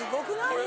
これ。